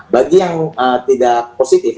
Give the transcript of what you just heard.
bagi yang tidak positif